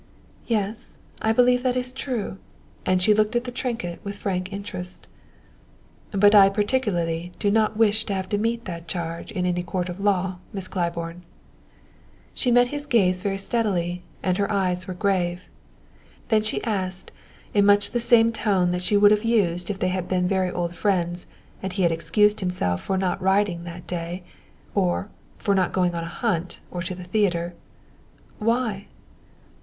"Yes, I believe that is true." And she looked at the trinket with frank interest. "But I particularly do not wish to have to meet that charge in any court of law, Miss Claiborne." She met his gaze very steadily, and her eyes were grave. Then she asked, in much the same tone that she would have used if they had been very old friends and he had excused himself for not riding that day, or for not going upon a hunt, or to the theater: "Why?"